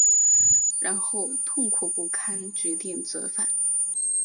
然后痛苦不堪决定折返